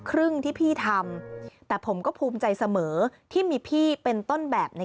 ครึ่งที่พี่ทำแต่ผมก็ภูมิใจเสมอที่มีพี่เป็นต้นแบบใน